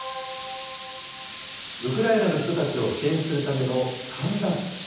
ウクライナの人たちを支援するための缶バッジ。